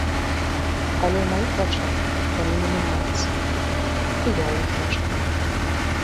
Але ў маіх вачах яны не мяняюцца, і я ў іх вачах.